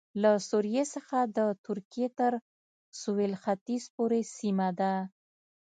له سوریې څخه د ترکیې تر سوېل ختیځ پورې سیمه ده